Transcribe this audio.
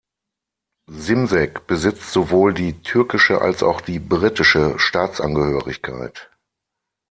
Şimşek besitzt sowohl die türkische als auch die britische Staatsangehörigkeit.